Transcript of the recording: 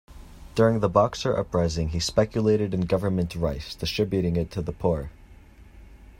During the Boxer Uprising he speculated in government rice, distributing it to the poor.